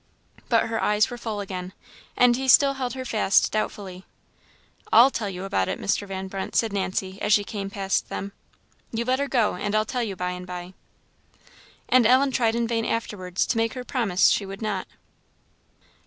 But her eyes were full again, and he still held her fast doubtfully. "I'll tell you about it, Mr. Van Brunt," said Nancy, as she came past them "you let her go, and I'll tell you by and by." And Ellen tried in vain afterwards to make her promise she would not.